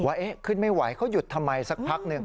ว่าขึ้นไม่ไหวเขาหยุดทำไมสักพักหนึ่ง